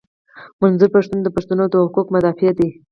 منظور پښتین د پښتنو د حقوقو مدافع دي.